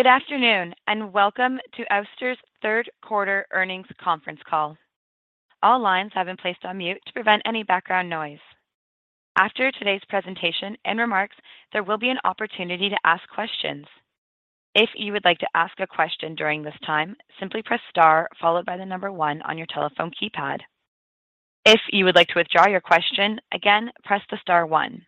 Good afternoon. Welcome to Ouster's third quarter earnings conference call. All lines have been placed on mute to prevent any background noise. After today's presentation and remarks, there will be an opportunity to ask questions. If you would like to ask a question during this time, simply press star followed by the number 1 on your telephone keypad. If you would like to withdraw your question, again, press the star one.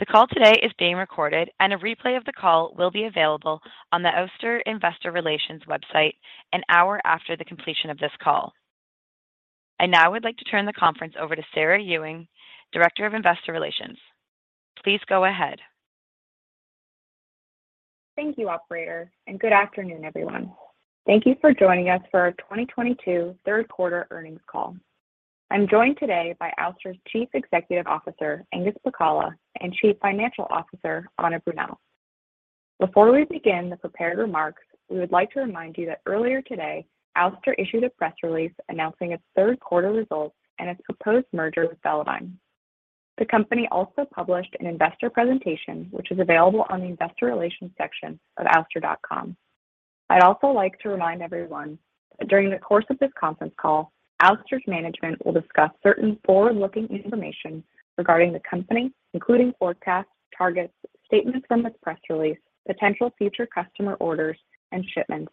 The call today is being recorded. A replay of the call will be available on the Ouster Investor Relations website an hour after the completion of this call. I now would like to turn the conference over to Sarah Ewing, Director of Investor Relations. Please go ahead. Thank you, operator. Good afternoon, everyone. Thank you for joining us for our 2022 third quarter earnings call. I'm joined today by Ouster's Chief Executive Officer, Angus Pacala, and Chief Financial Officer, Anna Brunelle. Before we begin the prepared remarks, we would like to remind you that earlier today, Ouster issued a press release announcing its third quarter results and its proposed merger with Velodyne. The company also published an investor presentation, which is available on the investor relations section of ouster.com. I'd also like to remind everyone that during the course of this conference call, Ouster's management will discuss certain forward-looking information regarding the company, including forecasts, targets, statements from its press release, potential future customer orders and shipments,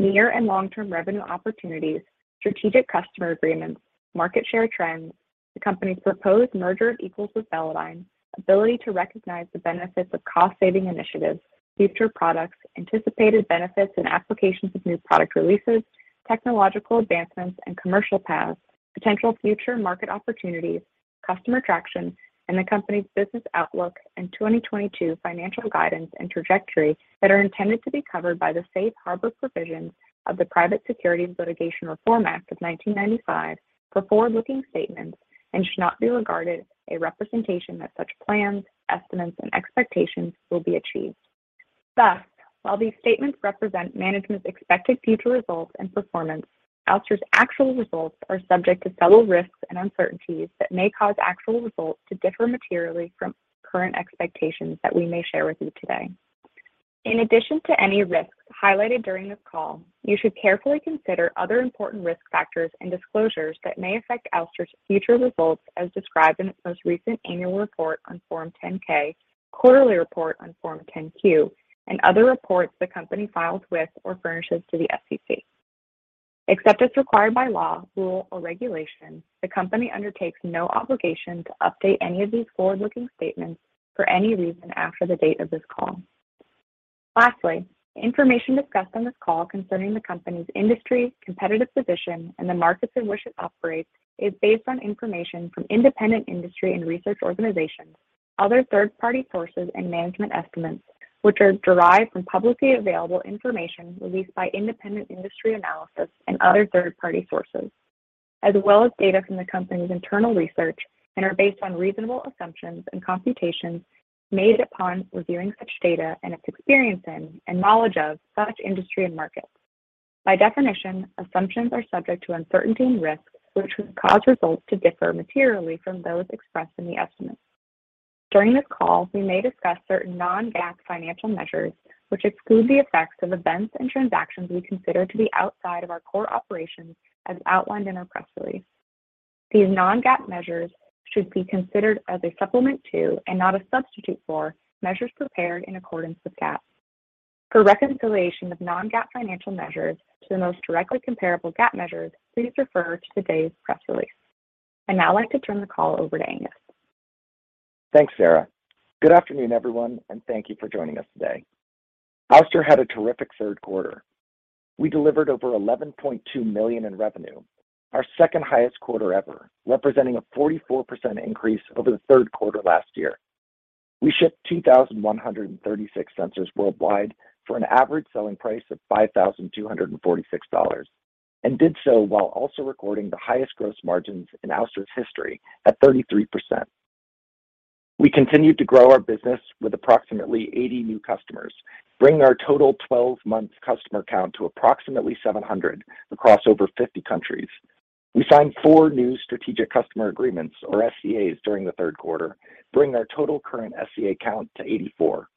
near and long-term revenue opportunities, strategic customer agreements, market share trends, the company's proposed merger of equals with Velodyne, ability to recognize the benefits of cost-saving initiatives, future products, anticipated benefits and applications of new product releases, technological advancements and commercial paths, potential future market opportunities, customer traction, and the company's business outlook and 2022 financial guidance and trajectory that are intended to be covered by the safe harbor provisions of the Private Securities Litigation Reform Act of 1995 for forward-looking statements and should not be regarded a representation that such plans, estimates, and expectations will be achieved. While these statements represent management's expected future results and performance, Ouster's actual results are subject to several risks and uncertainties that may cause actual results to differ materially from current expectations that we may share with you today. In addition to any risks highlighted during this call, you should carefully consider other important risk factors and disclosures that may affect Ouster's future results as described in its most recent annual report on Form 10-K, quarterly report on Form 10-Q, and other reports the company files with or furnishes to the SEC. Except as required by law, rule, or regulation, the company undertakes no obligation to update any of these forward-looking statements for any reason after the date of this call. Lastly, the information discussed on this call concerning the company's industry, competitive position, and the markets in which it operates, is based on information from independent industry and research organizations, other third-party sources and management estimates, which are derived from publicly available information released by independent industry analysis and other third-party sources, as well as data from the company's internal research, and are based on reasonable assumptions and computations made upon reviewing such data and its experience in, and knowledge of such industry and markets. By definition, assumptions are subject to uncertainty and risks, which would cause results to differ materially from those expressed in the estimates. During this call, we may discuss certain non-GAAP financial measures, which exclude the effects of events and transactions we consider to be outside of our core operations as outlined in our press release. These non-GAAP measures should be considered as a supplement to, and not a substitute for, measures prepared in accordance with GAAP. For a reconciliation of non-GAAP financial measures to the most directly comparable GAAP measures, please refer to today's press release. I'd now like to turn the call over to Angus. Thanks, Sarah. Good afternoon, everyone. Thank you for joining us today. Ouster had a terrific third quarter. We delivered over $11.2 million in revenue, our second highest quarter ever, representing a 44% increase over the third quarter last year. We shipped 2,136 sensors worldwide for an average selling price of $5,246, and did so while also recording the highest gross margins in Ouster's history at 33%. We continued to grow our business with approximately 80 new customers, bringing our total 12-month customer count to approximately 700 across over 50 countries. We signed four new strategic customer agreements, or SCAs, during the third quarter, bringing our total current SCA count to 84.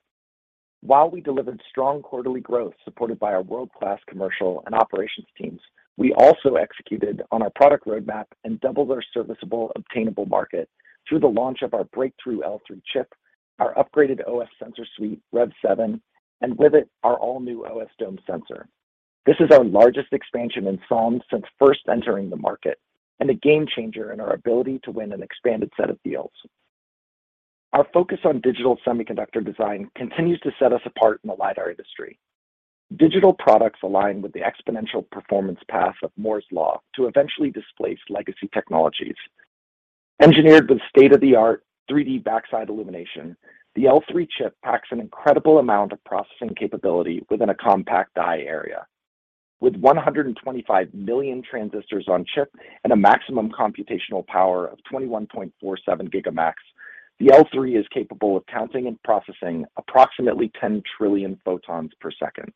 While we delivered strong quarterly growth supported by our world-class commercial and operations teams, we also executed on our product roadmap and doubled our serviceable obtainable market through the launch of our breakthrough L3 chip, our upgraded OS sensor suite, REV7, and with it, our all-new OSDome sensor. This is our largest expansion in SOM since first entering the market, and a game changer in our ability to win an expanded set of deals. Our focus on digital semiconductor design continues to set us apart in the lidar industry. Digital products align with the exponential performance path of Moore's law to eventually displace legacy technologies. Engineered with state-of-the-art 3D backside illumination, the L3 chip packs an incredible amount of processing capability within a compact die area. With 125 million transistors on chip and a maximum computational power of 21.47 GMACS, the L3 is capable of counting and processing approximately 10 trillion photons per second.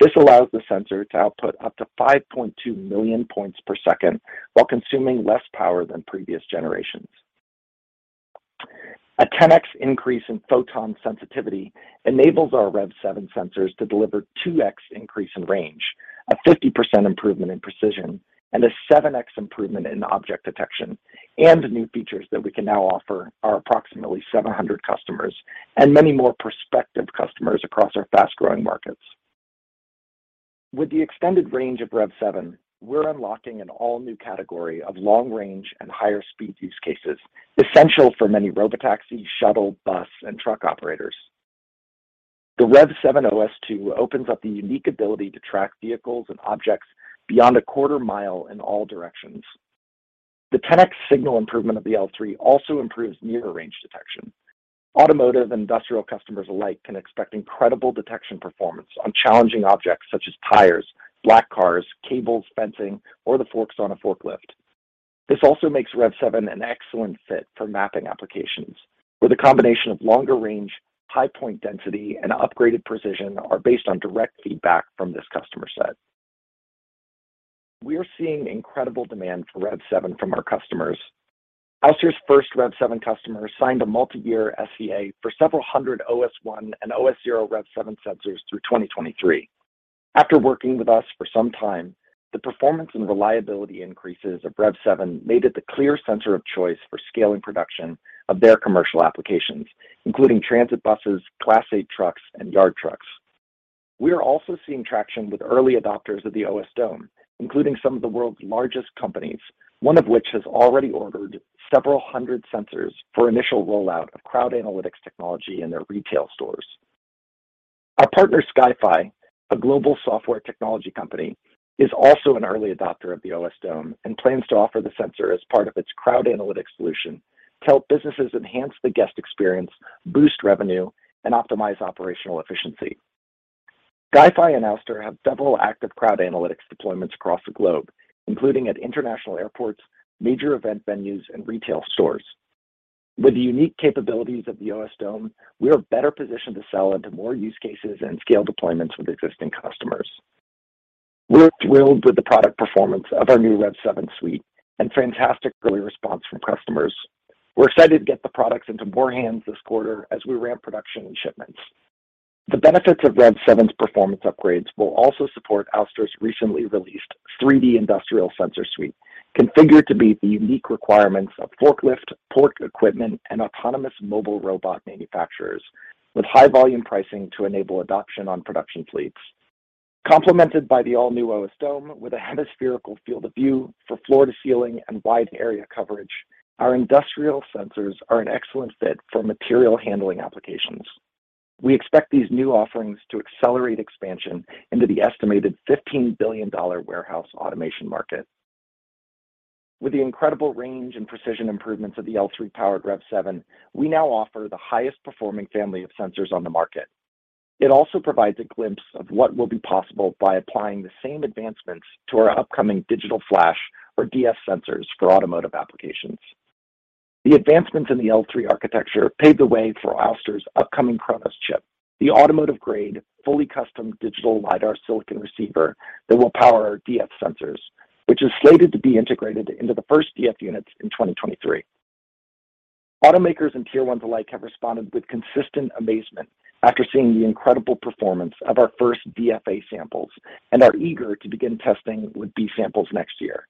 This allows the sensor to output up to 5.2 million points per second while consuming less power than previous generations. A 10x increase in photon sensitivity enables our REV7 sensors to deliver 2x increase in range, a 50% improvement in precision, and a 7x improvement in object detection. The new features that we can now offer our approximately 700 customers and many more prospective customers across our fast-growing markets. With the extended range of REV7, we are unlocking an all-new category of long range and higher speed use cases, essential for many robotaxi, shuttle, bus, and truck operators. The REV7 OS2 opens up the unique ability to track vehicles and objects beyond a quarter mile in all directions. The 10x signal improvement of the L3 also improves nearer range detection. Automotive and industrial customers alike can expect incredible detection performance on challenging objects such as tires, black cars, cables, fencing, or the forks on a forklift. This also makes REV7 an excellent fit for mapping applications, where the combination of longer range, high point density, and upgraded precision are based on direct feedback from this customer set. We are seeing incredible demand for REV7 from our customers. Ouster's first REV7 customer signed a multi-year SCA for several hundred OS1 and OS0 REV7 sensors through 2023. After working with us for some time, the performance and reliability increases of REV7 made it the clear sensor of choice for scaling production of their commercial applications, including transit buses, Class 8 trucks, and yard trucks. We are also seeing traction with early adopters of the OSDome, including some of the world's largest companies, one of which has already ordered several hundred sensors for initial rollout of crowd analytics technology in their retail stores. Our partner SkyFi, a global software technology company, is also an early adopter of the OSDome and plans to offer the sensor as part of its crowd analytics solution to help businesses enhance the guest experience, boost revenue, and optimize operational efficiency. SkyFi and Ouster have several active crowd analytics deployments across the globe, including at international airports, major event venues, and retail stores. With the unique capabilities of the OSDome, we are better positioned to sell into more use cases and scale deployments with existing customers. We are thrilled with the product performance of our new REV7 suite and fantastic early response from customers. We are excited to get the products into more hands this quarter as we ramp production and shipments. The benefits of REV7's performance upgrades will also support Ouster's recently released 3D industrial sensor suite, configured to meet the unique requirements of forklift, port equipment, and autonomous mobile robot manufacturers with high volume pricing to enable adoption on production fleets. Complemented by the all-new OSDome with a hemispherical field of view for floor to ceiling and wide area coverage, our industrial sensors are an excellent fit for material handling applications. We expect these new offerings to accelerate expansion into the estimated $15 billion warehouse automation market. With the incredible range and precision improvements of the L3 powered REV7, we now offer the highest performing family of sensors on the market. It also provides a glimpse of what will be possible by applying the same advancements to our upcoming digital flash or DF sensors for automotive applications. The advancements in the L3 architecture pave the way for Ouster's upcoming Chronos chip, the automotive-grade, fully custom digital lidar silicon receiver that will power our DF sensors, which is slated to be integrated into the first DF units in 2023. Automakers and Tier 1s alike have responded with consistent amazement after seeing the incredible performance of our first DF A-samples and are eager to begin testing with B-samples next year.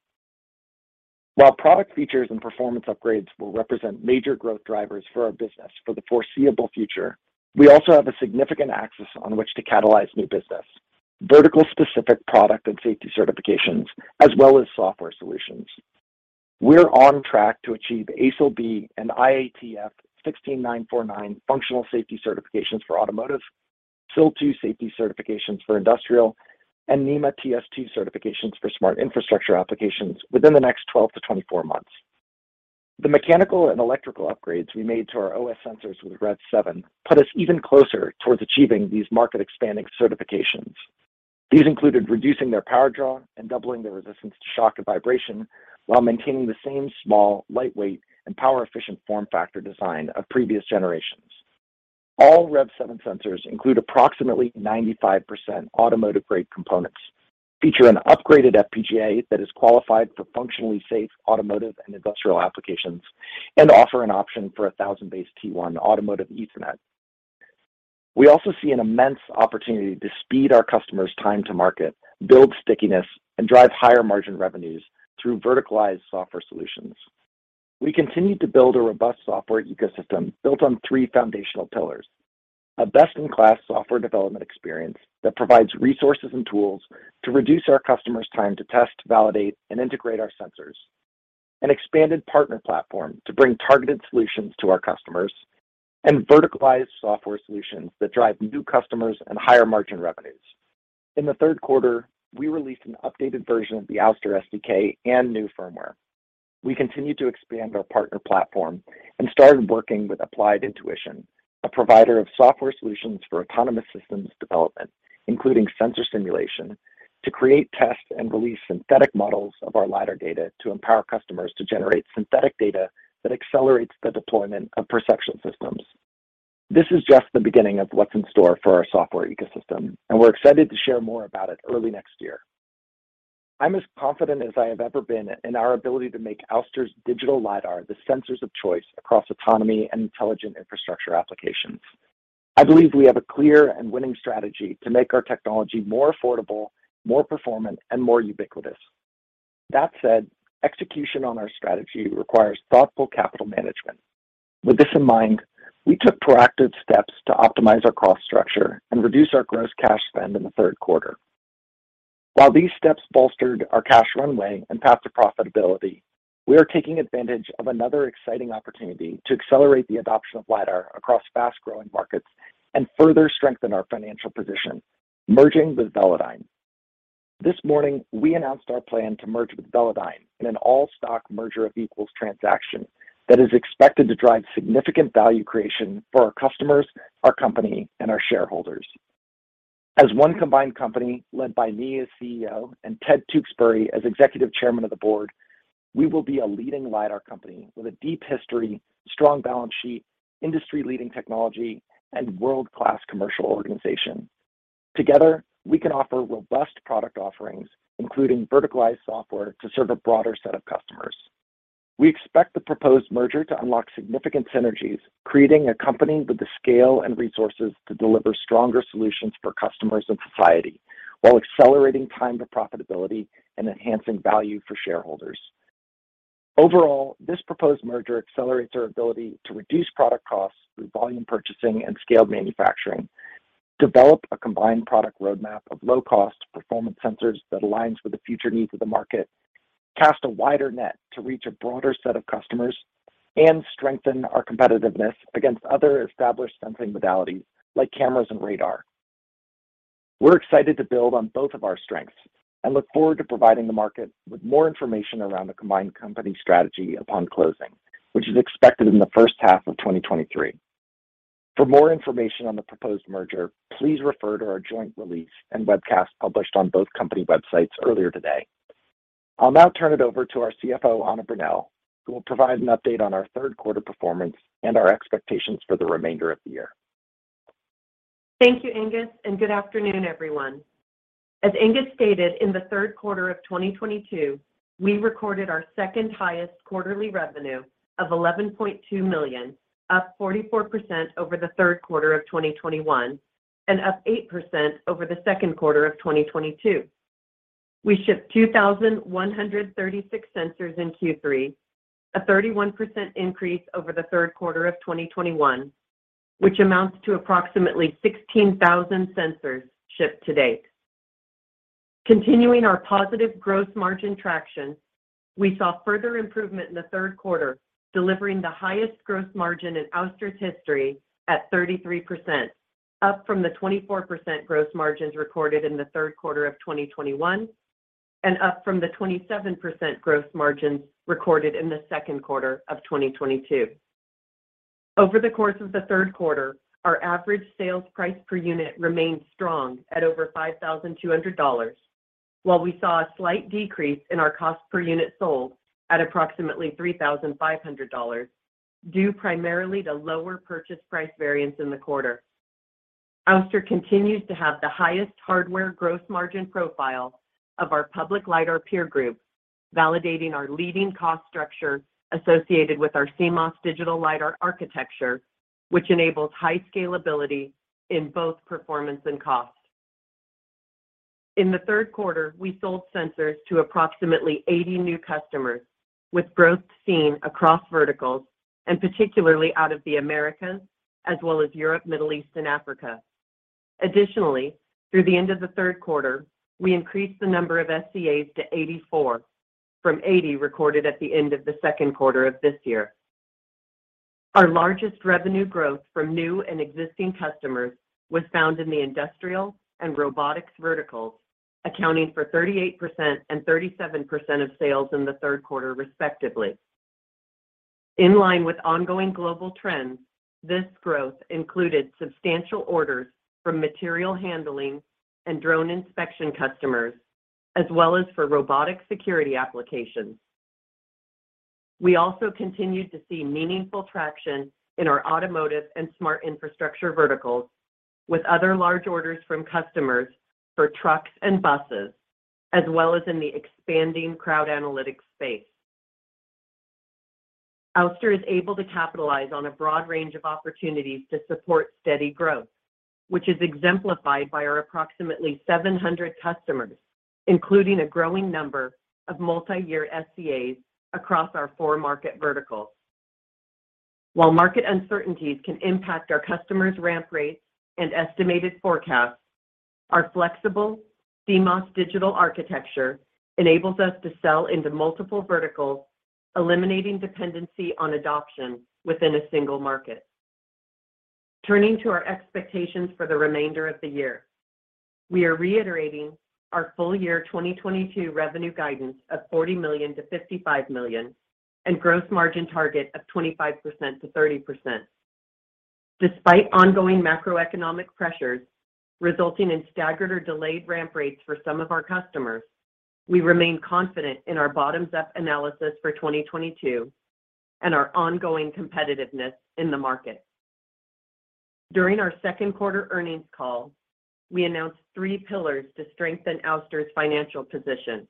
While product features and performance upgrades will represent major growth drivers for our business for the foreseeable future, we also have a significant axis on which to catalyze new business, vertical-specific product and safety certifications, as well as software solutions. We're on track to achieve ASIL B and IATF 16949 functional safety certifications for automotive, SIL 2 safety certifications for industrial, and NEMA TS2 certifications for smart infrastructure applications within the next 12-24 months. The mechanical and electrical upgrades we made to our OS sensors with REV7 put us even closer towards achieving these market-expanding certifications. These included reducing their power draw and doubling their resistance to shock and vibration while maintaining the same small, lightweight, and power-efficient form factor design of previous generations. All REV7 sensors include approximately 95% automotive-grade components, feature an upgraded FPGA that is qualified for functionally safe automotive and industrial applications, and offer an option for 1000BASE-T1 automotive Ethernet. We also see an immense opportunity to speed our customers' time to market, build stickiness, and drive higher margin revenues through verticalized software solutions. We continue to build a robust software ecosystem built on three foundational pillars. A best-in-class software development experience that provides resources and tools to reduce our customers' time to test, validate, and integrate our sensors, an expanded partner platform to bring targeted solutions to our customers, and verticalized software solutions that drive new customers and higher margin revenues. In the third quarter, we released an updated version of the Ouster SDK and new firmware. We continued to expand our partner platform and started working with Applied Intuition, a provider of software solutions for autonomous systems development, including sensor simulation, to create tests and release synthetic models of our lidar data to empower customers to generate synthetic data that accelerates the deployment of perception systems. This is just the beginning of what's in store for our software ecosystem. We're excited to share more about it early next year. I'm as confident as I have ever been in our ability to make Ouster's digital lidar the sensors of choice across autonomy and intelligent infrastructure applications. I believe we have a clear and winning strategy to make our technology more affordable, more performant and more ubiquitous. That said, execution on our strategy requires thoughtful capital management. With this in mind, we took proactive steps to optimize our cost structure and reduce our gross cash spend in the third quarter. While these steps bolstered our cash runway and path to profitability, we are taking advantage of another exciting opportunity to accelerate the adoption of lidar across fast-growing markets and further strengthen our financial position, merging with Velodyne. This morning, we announced our plan to merge with Velodyne in an all-stock merger of equals transaction that is expected to drive significant value creation for our customers, our company and our shareholders. As one combined company led by me as CEO and Ted Tewksbury as Executive Chairman of the Board, we will be a leading lidar company with a deep history, strong balance sheet, industry-leading technology and world-class commercial organization. Together, we can offer robust product offerings, including verticalized software to serve a broader set of customers. We expect the proposed merger to unlock significant synergies, creating a company with the scale and resources to deliver stronger solutions for customers and society, while accelerating time to profitability and enhancing value for shareholders. This proposed merger accelerates our ability to reduce product costs through volume purchasing and scaled manufacturing, develop a combined product roadmap of low cost performance sensors that aligns with the future needs of the market, cast a wider net to reach a broader set of customers, and strengthen our competitiveness against other established sensing modalities like cameras and radar. We're excited to build on both of our strengths and look forward to providing the market with more information around the combined company strategy upon closing, which is expected in the first half of 2023. For more information on the proposed merger, please refer to our joint release and webcast published on both company websites earlier today. I'll now turn it over to our CFO, Anna Brunelle, who will provide an update on our third quarter performance and our expectations for the remainder of the year. Thank you, Angus. Good afternoon, everyone. As Angus stated, in the third quarter of 2022, we recorded our second highest quarterly revenue of $11.2 million, up 44% over the third quarter of 2021 and up 8% over the second quarter of 2022. We shipped 2,136 sensors in Q3, a 31% increase over the third quarter of 2021, which amounts to approximately 16,000 sensors shipped to date. Continuing our positive gross margin traction, we saw further improvement in the third quarter, delivering the highest gross margin in Ouster's history at 33%, up from the 24% gross margins recorded in the third quarter of 2021 and up from the 27% gross margins recorded in the second quarter of 2022. Over the course of the third quarter, our average sales price per unit remained strong at over $5,200. We saw a slight decrease in our cost per unit sold at approximately $3,500, due primarily to lower purchase price variance in the quarter. Ouster continues to have the highest hardware gross margin profile of our public lidar peer group, validating our leading cost structure associated with our CMOS digital lidar architecture, which enables high scalability in both performance and cost. In the third quarter, we sold sensors to approximately 80 new customers, with growth seen across verticals and particularly out of the Americas, as well as Europe, Middle East and Africa. Through the end of the third quarter, we increased the number of SCAs to 84 from 80 recorded at the end of the second quarter of this year. Our largest revenue growth from new and existing customers was found in the industrial and robotics verticals, accounting for 38% and 37% of sales in the third quarter respectively. In line with ongoing global trends, this growth included substantial orders from material handling and drone inspection customers, as well as for robotic security applications. We also continued to see meaningful traction in our automotive and smart infrastructure verticals with other large orders from customers for trucks and buses, as well as in the expanding crowd analytics space. Ouster is able to capitalize on a broad range of opportunities to support steady growth, which is exemplified by our approximately 700 customers, including a growing number of multi-year SCAs across our four market verticals. While market uncertainties can impact our customers' ramp rates and estimated forecasts, our flexible CMOS digital architecture enables us to sell into multiple verticals, eliminating dependency on adoption within a single market. Turning to our expectations for the remainder of the year. We are reiterating our full year 2022 revenue guidance of $40 million-$55 million and gross margin target of 25%-30%. Despite ongoing macroeconomic pressures resulting in staggered or delayed ramp rates for some of our customers, we remain confident in our bottoms-up analysis for 2022 and our ongoing competitiveness in the market. During our second quarter earnings call, we announced three pillars to strengthen Ouster's financial position,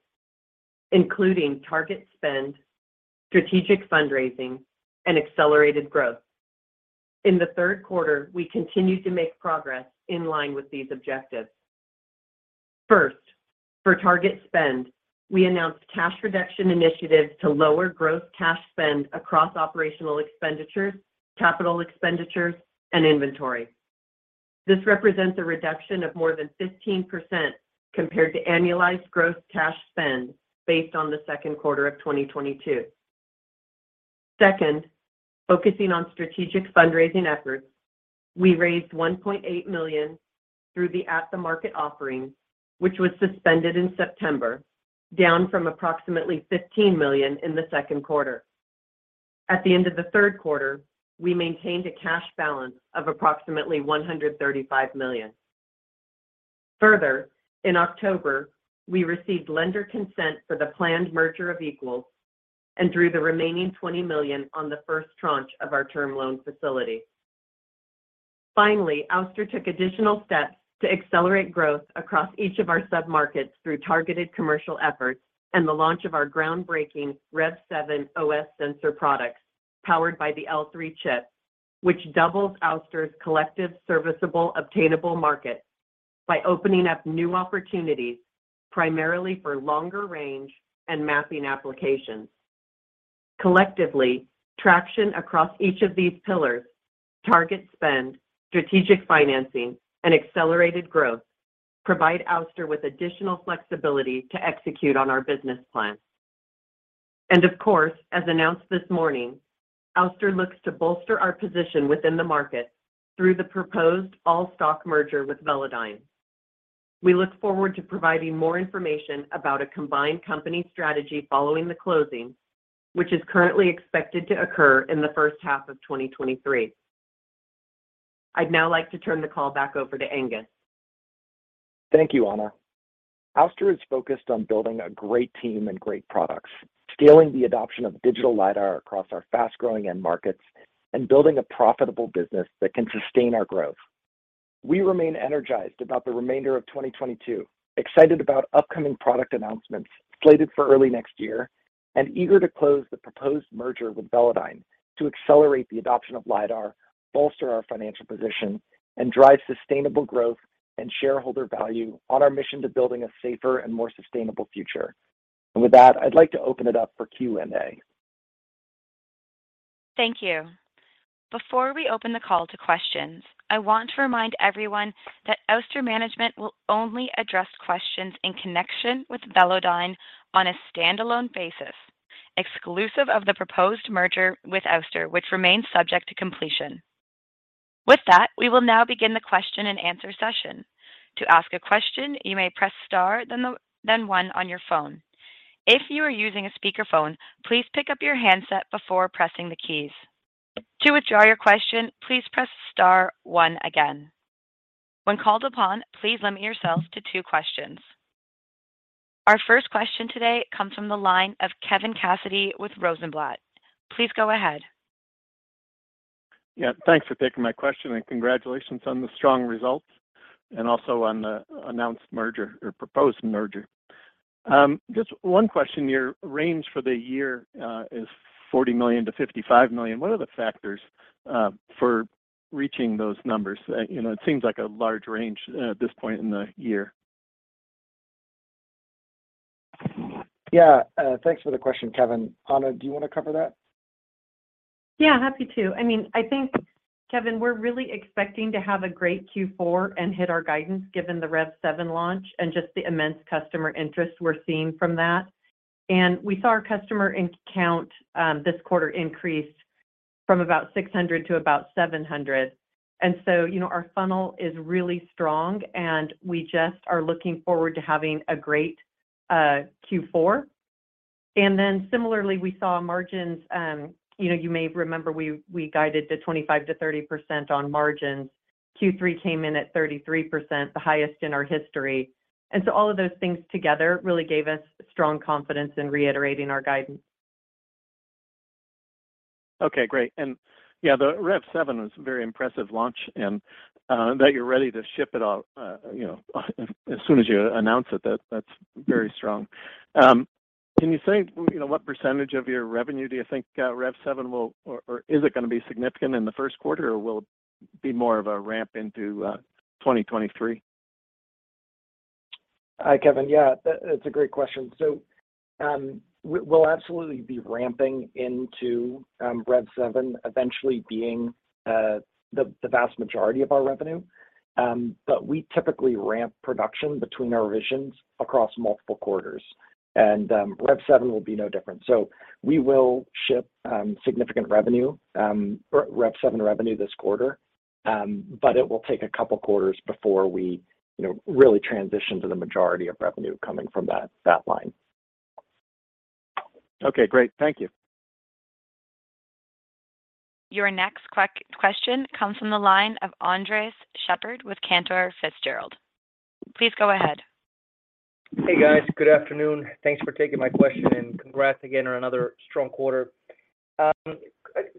including target spend, strategic fundraising, and accelerated growth. In the third quarter, we continued to make progress in line with these objectives. First, for target spend, we announced cash reduction initiatives to lower gross cash spend across operational expenditures, capital expenditures, and inventory. This represents a reduction of more than 15% compared to annualized gross cash spend based on the second quarter of 2022. Second, focusing on strategic fundraising efforts, we raised $1.8 million through the at-the-market offering, which was suspended in September, down from approximately $15 million in the second quarter. At the end of the third quarter, we maintained a cash balance of approximately $135 million. Further, in October, we received lender consent for the planned merger of equals and drew the remaining $20 million on the first tranche of our term loan facility. Finally, Ouster took additional steps to accelerate growth across each of our submarkets through targeted commercial efforts and the launch of our groundbreaking REV7 OS sensor products powered by the L3 chip, which doubles Ouster's collective serviceable obtainable market by opening up new opportunities, primarily for longer range and mapping applications. Collectively, traction across each of these pillars, target spend, strategic financing, and accelerated growth provide Ouster with additional flexibility to execute on our business plan. Of course, as announced this morning, Ouster looks to bolster our position within the market through the proposed all-stock merger with Velodyne. We look forward to providing more information about a combined company strategy following the closing, which is currently expected to occur in the first half of 2023. I'd now like to turn the call back over to Angus. Thank you, Anna. Ouster is focused on building a great team and great products, scaling the adoption of digital lidar across our fast-growing end markets, and building a profitable business that can sustain our growth. We remain energized about the remainder of 2022, excited about upcoming product announcements slated for early next year, eager to close the proposed merger with Velodyne to accelerate the adoption of lidar, bolster our financial position, and drive sustainable growth and shareholder value on our mission to building a safer and more sustainable future. With that, I'd like to open it up for Q&A. Thank you. Before we open the call to questions, I want to remind everyone that Ouster management will only address questions in connection with Velodyne on a standalone basis, exclusive of the proposed merger with Ouster, which remains subject to completion. We will now begin the question and answer session. To ask a question, you may press star, then one on your phone. If you are using a speakerphone, please pick up your handset before pressing the keys. To withdraw your question, please press star one again. When called upon, please limit yourself to two questions. Our first question today comes from the line of Kevin Cassidy with Rosenblatt. Please go ahead. Yeah. Thanks for taking my question. Congratulations on the strong results, also on the announced merger or proposed merger. Just one question, your range for the year is $40 million-$55 million. What are the factors for reaching those numbers? It seems like a large range at this point in the year. Yeah. Thanks for the question, Kevin. Anna, do you want to cover that? Yeah, happy to. Kevin, we're really expecting to have a great Q4 and hit our guidance given the REV7 launch and just the immense customer interest we're seeing from that. We saw our customer count this quarter increase from about 600 to about 700. Our funnel is really strong, and we just are looking forward to having a great Q4. Similarly, we saw margins. You may remember we guided to 25%-30% on margins. Q3 came in at 33%, the highest in our history. All of those things together really gave us strong confidence in reiterating our guidance. Okay, great. Yeah, the REV7 was a very impressive launch, and that you're ready to ship it all as soon as you announce it, that's very strong. Can you say what percentage of your revenue do you think REV7 will or is it going to be significant in the first quarter or will it be more of a ramp into 2023? Kevin, yeah. That's a great question. We'll absolutely be ramping into REV7 eventually being the vast majority of our revenue. We typically ramp production between our revisions across multiple quarters, and REV7 will be no different. We will ship significant revenue, REV7 revenue this quarter. It will take a couple of quarters before we really transition to the majority of revenue coming from that line. Okay, great. Thank you. Your next question comes from the line of Andres Sheppard with Cantor Fitzgerald. Please go ahead. Hey guys, good afternoon. Thanks for taking my question and congrats again on another strong quarter. A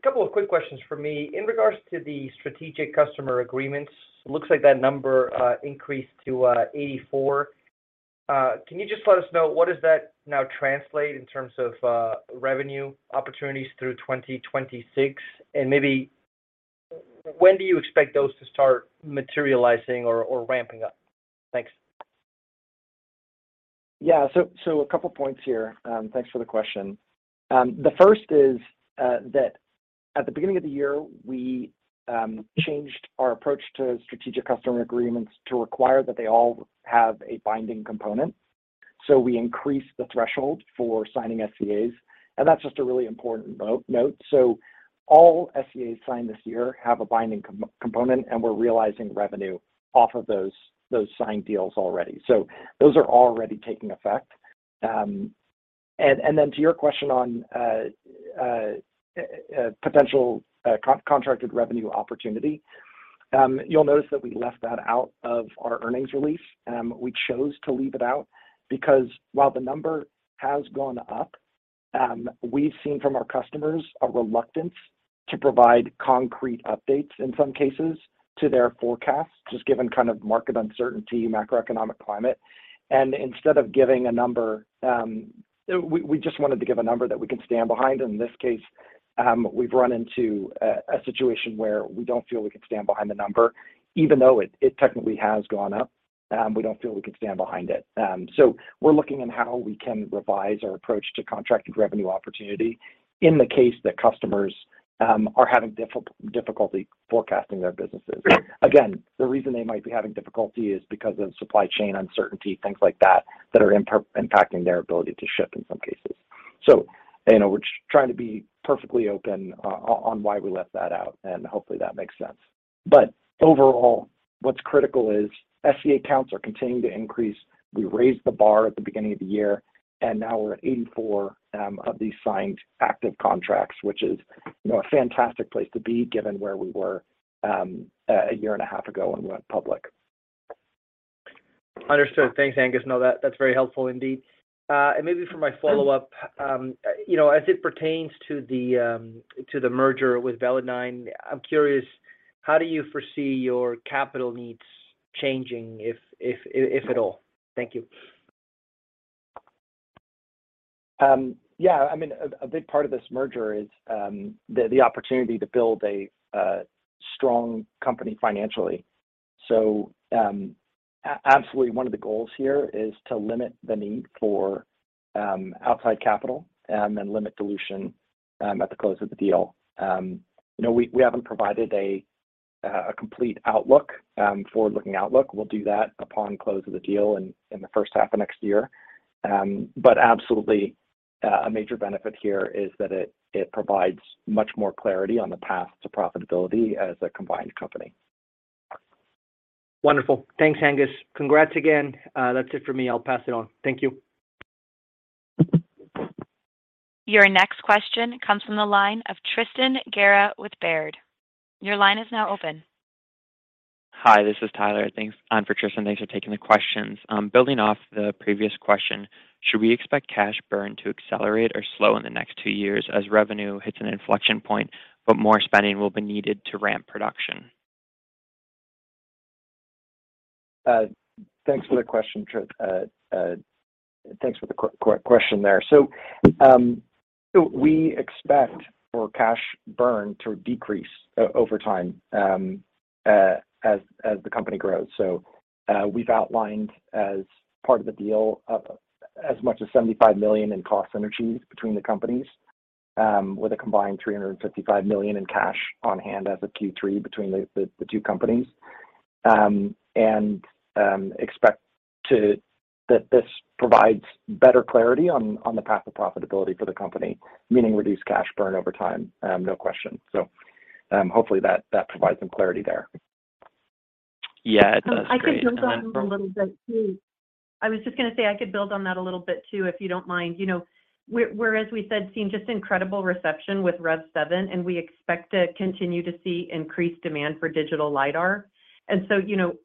couple of quick questions from me. In regards to the strategic customer agreements, looks like that number increased to 84. Can you just let us know what does that now translate in terms of revenue opportunities through 2026? And maybe when do you expect those to start materializing or ramping up? Thanks. Yeah. A couple points here. Thanks for the question. The first is that at the beginning of the year, we changed our approach to strategic customer agreements to require that they all have a binding component. We increased the threshold for signing SCAs, and that's just a really important note. All SCAs signed this year have a binding component, and we're realizing revenue off of those signed deals already. Those are already taking effect. To your question on potential contracted revenue opportunity, you'll notice that we left that out of our earnings release. We chose to leave it out because while the number has gone up, we've seen from our customers a reluctance to provide concrete updates in some cases to their forecasts, just given kind of market uncertainty, macroeconomic climate. Instead of giving a number, we just wanted to give a number that we can stand behind. In this case, we've run into a situation where we don't feel we can stand behind the number, even though it technically has gone up. We don't feel we can stand behind it. We're looking at how we can revise our approach to contracted revenue opportunity in the case that customers are having difficulty forecasting their businesses. Again, the reason they might be having difficulty is because of supply chain uncertainty, things like that are impacting their ability to ship in some cases. We're trying to be perfectly open on why we left that out, and hopefully that makes sense. Overall, what's critical is SCA counts are continuing to increase. We raised the bar at the beginning of the year, now we're at 84 of these signed active contracts, which is a fantastic place to be, given where we were a year and a half ago when we went public. Understood. Thanks, Angus. No, that's very helpful indeed. Maybe for my follow-up, as it pertains to the merger with Velodyne, I'm curious, how do you foresee your capital needs changing, if at all? Thank you. Yeah, a big part of this merger is the opportunity to build a strong company financially. Absolutely one of the goals here is to limit the need for outside capital and then limit dilution at the close of the deal. We haven't provided a complete outlook, forward-looking outlook. We'll do that upon close of the deal in the first half of next year. Absolutely, a major benefit here is that it provides much more clarity on the path to profitability as a combined company. Wonderful. Thanks, Angus. Congrats again. That's it for me. I'll pass it on. Thank you. Your next question comes from the line of Tristan Gerra with Baird. Your line is now open. Hi, this is Tyler. Thanks. I'm for Tristan. Thanks for taking the questions. Building off the previous question, should we expect cash burn to accelerate or slow in the next two years as revenue hits an inflection point, but more spending will be needed to ramp production? Thanks for the question there. We expect for cash burn to decrease over time as the company grows. We've outlined as part of the deal up as much as $75 million in cost synergies between the companies, with a combined $355 million in cash on hand as of Q3 between the two companies. Expect that this provides better clarity on the path of profitability for the company, meaning reduced cash burn over time, no question. Hopefully that provides some clarity there. Yeah, it does. Great. I could jump on that a little bit too. I was just going to say I could build on that a little bit too, if you don't mind. We're, as we said, seeing just incredible reception with REV7, we expect to continue to see increased demand for digital lidar.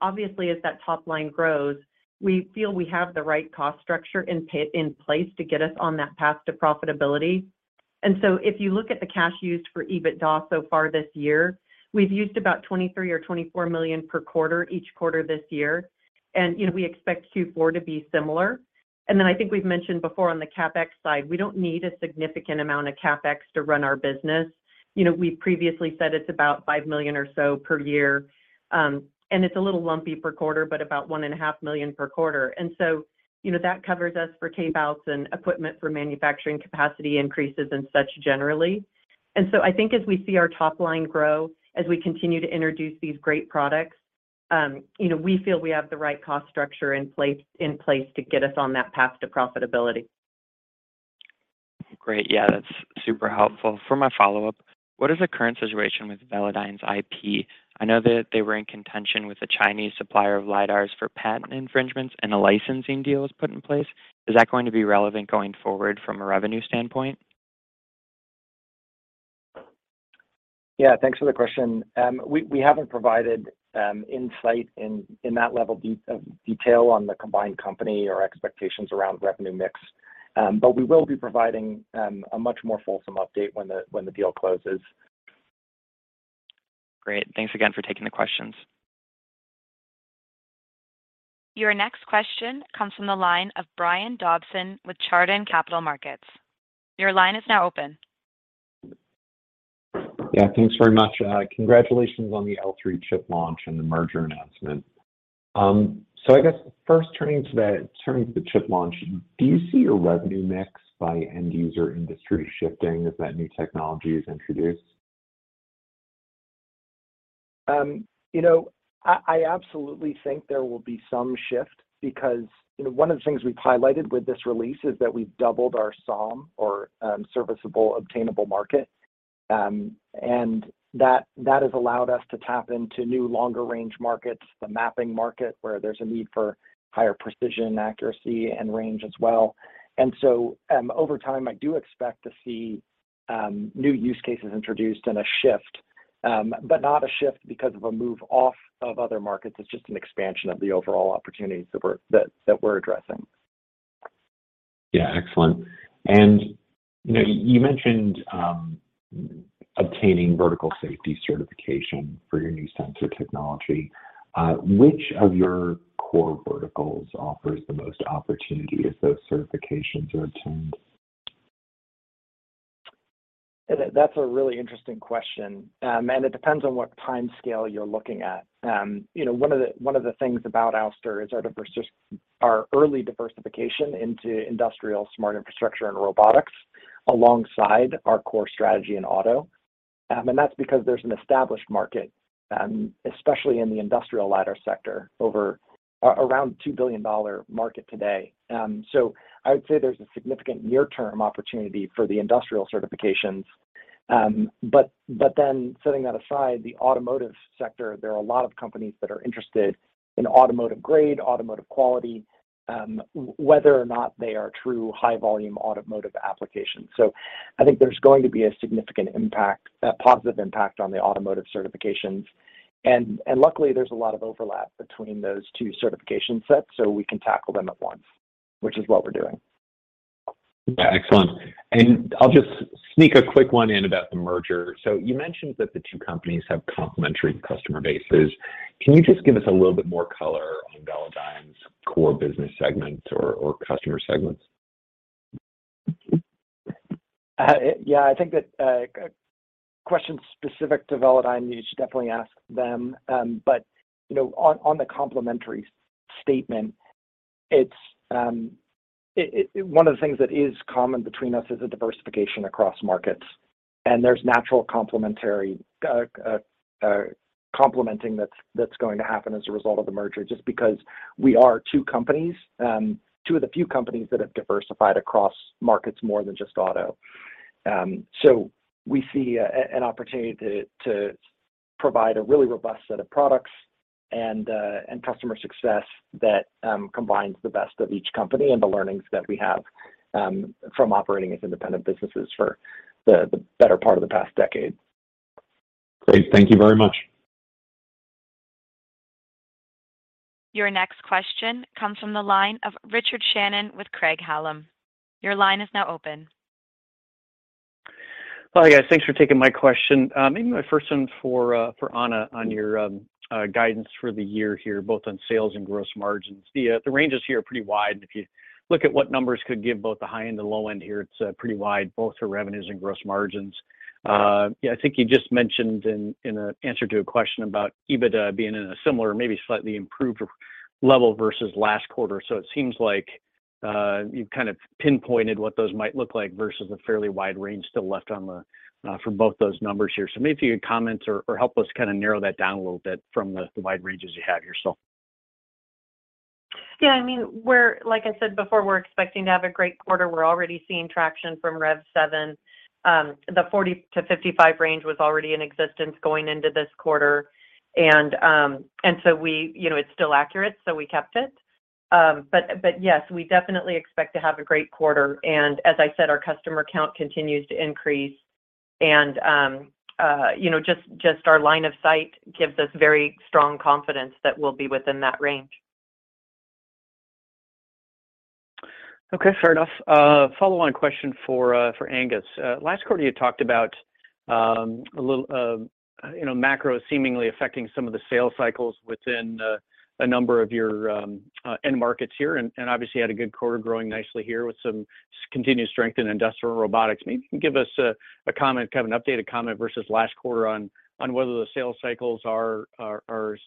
Obviously as that top line grows, we feel we have the right cost structure in place to get us on that path to profitability. If you look at the cash used for EBITDA so far this year, we've used about $23 million or $24 million per quarter each quarter this year. We expect Q4 to be similar. I think we've mentioned before on the CapEx side, we don't need a significant amount of CapEx to run our business. We previously said it's about $5 million or so per year. It's a little lumpy per quarter, but about $1.5 million per quarter. That covers us for CapEx and equipment for manufacturing capacity increases and such generally. I think as we see our top line grow, as we continue to introduce these great products, we feel we have the right cost structure in place to get us on that path to profitability. Great. Yeah, that's super helpful. For my follow-up, what is the current situation with Velodyne's IP? I know that they were in contention with the Chinese supplier of lidars for patent infringements and a licensing deal was put in place. Is that going to be relevant going forward from a revenue standpoint? Yeah, thanks for the question. We haven't provided insight in that level of detail on the combined company or expectations around revenue mix. We will be providing a much more fulsome update when the deal closes. Great. Thanks again for taking the questions. Your next question comes from the line of Brian Dobson with Chardan Capital Markets. Your line is now open. Yeah, thanks very much. Congratulations on the L3 chip launch and the merger announcement. I guess first turning to the chip launch, do you see your revenue mix by end user industry shifting as that new technology is introduced? I absolutely think there will be some shift because one of the things we've highlighted with this release is that we've doubled our SOM or serviceable obtainable market. That has allowed us to tap into new longer range markets, the mapping market, where there's a need for higher precision, accuracy, and range as well. So, over time, I do expect to see new use cases introduced and a shift. Not a shift because of a move off of other markets. It's just an expansion of the overall opportunities that we're addressing. Yeah, excellent. You mentioned obtaining vertical safety certification for your new sensor technology. Which of your core verticals offers the most opportunity as those certifications are obtained? That's a really interesting question. It depends on what timescale you're looking at. One of the things about Ouster is our early diversification into industrial smart infrastructure and robotics alongside our core strategy in auto. That's because there's an established market, especially in the industrial lidar sector, around $2 billion market today. I would say there's a significant near-term opportunity for the industrial certifications. Setting that aside, the automotive sector, there are a lot of companies that are interested in automotive grade, automotive quality, whether or not they are true high volume automotive applications. I think there's going to be a significant impact, a positive impact on the automotive certifications. Luckily, there's a lot of overlap between those two certification sets, so we can tackle them at once, which is what we're doing. Yeah. Excellent. I'll just sneak a quick one in about the merger. You mentioned that the two companies have complementary customer bases. Can you just give us a little bit more color on Velodyne's core business segments or customer segments? Yeah, I think that question specific to Velodyne, you should definitely ask them. On the complementary statement, one of the things that is common between us is a diversification across markets. There's natural complementing that's going to happen as a result of the merger, just because we are two of the few companies that have diversified across markets more than just auto. We see an opportunity to provide a really robust set of products and customer success that combines the best of each company and the learnings that we have from operating as independent businesses for the better part of the past decade. Great. Thank you very much. Your next question comes from the line of Richard Shannon with Craig-Hallum. Your line is now open. Hi, guys. Thanks for taking my question. Maybe my first one for Anna on your guidance for the year here, both on sales and gross margins. The ranges here are pretty wide, and if you look at what numbers could give both the high end and low end here, it's pretty wide, both for revenues and gross margins. It seems like you just mentioned in an answer to a question about EBITDA being in a similar, maybe slightly improved level versus last quarter. It seems like you've kind of pinpointed what those might look like versus a fairly wide range still left for both those numbers here. Maybe if you could comment or help us kind of narrow that down a little bit from the wide ranges you have here. Yeah, like I said before, we're expecting to have a great quarter. We're already seeing traction from REV7. The 40 to 55 range was already in existence going into this quarter. It's still accurate, so we kept it. Yes, we definitely expect to have a great quarter, and as I said, our customer count continues to increase. Just our line of sight gives us very strong confidence that we'll be within that range. Okay, fair enough. Follow on question for Angus. Last quarter you talked about macro seemingly affecting some of the sales cycles within a number of your end markets here, and obviously had a good quarter growing nicely here with some continued strength in industrial robotics. Maybe you can give us an updated comment versus last quarter on whether the sales cycles are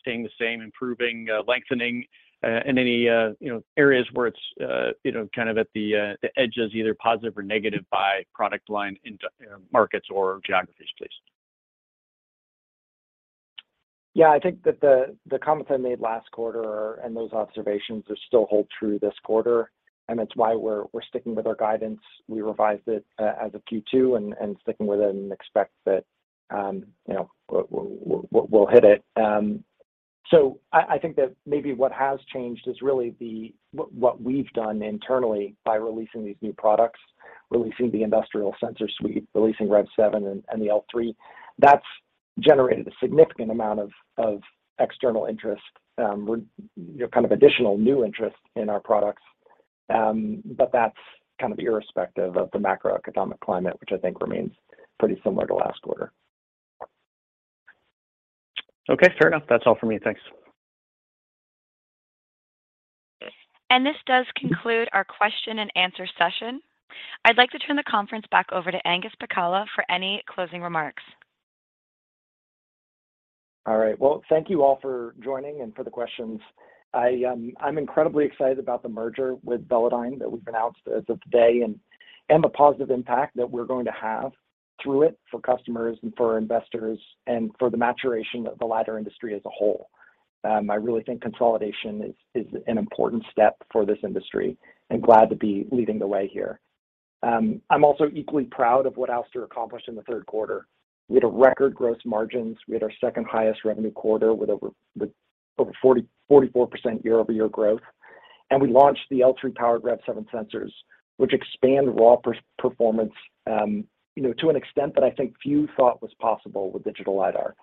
staying the same, improving, lengthening in any areas where it's kind of at the edges, either positive or negative by product line, end markets, or geographies, please. Yeah, I think that the comments I made last quarter and those observations still hold true this quarter. That's why we're sticking with our guidance. We revised it as of Q2 and sticking with it and expect that we'll hit it. I think that maybe what has changed is really what we've done internally by releasing these new products, releasing the industrial sensor suite, releasing REV7 and the L3. That's generated a significant amount of external interest, kind of additional new interest in our products. That's kind of irrespective of the macroeconomic climate, which I think remains pretty similar to last quarter. Okay, fair enough. That's all for me, thanks. This does conclude our question and answer session. I'd like to turn the conference back over to Angus Pacala for any closing remarks. All right. Well, thank you all for joining and for the questions. I'm incredibly excited about the merger with Velodyne that we've announced as of today, and the positive impact that we're going to have through it for customers and for investors, and for the maturation of the lidar industry as a whole. I really think consolidation is an important step for this industry, glad to be leading the way here. I'm also equally proud of what Ouster accomplished in the third quarter. We had a record gross margins. We had our second highest revenue quarter with over 44% year-over-year growth. We launched the L3 powered REV7 sensors, which expand raw performance to an extent that I think few thought was possible with digital lidar.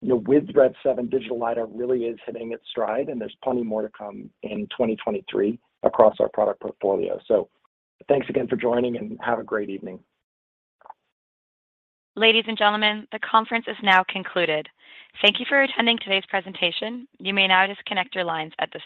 With REV7, digital lidar really is hitting its stride, and there's plenty more to come in 2023 across our product portfolio. Thanks again for joining, and have a great evening. Ladies and gentlemen, the conference is now concluded. Thank you for attending today's presentation. You may now disconnect your lines at this time.